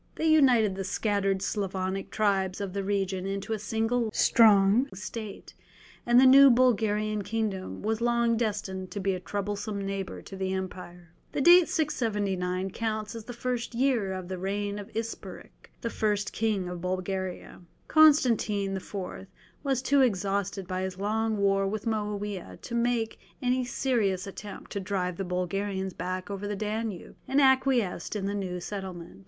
They united the scattered Slavonic tribes of the region into a single strong state, and the new Bulgarian kingdom was long destined to be a troublesome neighbour to the empire. The date 679 counts as the first year of the reign of Isperich first king of Bulgaria. Constantine IV. was too exhausted by his long war with Moawiah to make any serious attempt to drive the Bulgarians back over the Danube, and acquiesced in the new settlement.